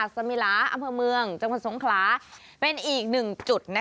สมิลาอำเภอเมืองจังหวัดสงขลาเป็นอีกหนึ่งจุด